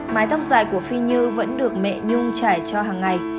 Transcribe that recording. mái tóc dài của phi như vẫn được mẹ nhung trải cho hàng ngày